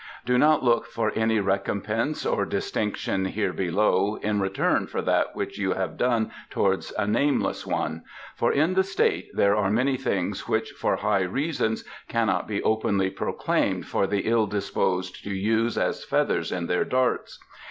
Do not look for any recompense or distinction here below in return for that which you have done towards a nameless one; for in the State there are many things which for high reasons cannot be openly proclaimed for the ill disposed to use as feathers in their darts.